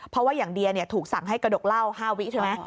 เพราะว่าอย่างเดียถูกสั่งให้กระดกเหล้า๕วิใช่ไหม